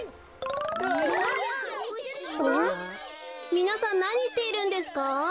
みなさんなにしているんですか？